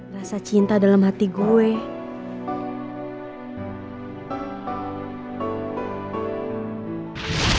rasa cinta dalam hati gue